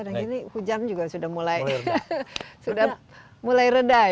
dan ini hujan juga sudah mulai reda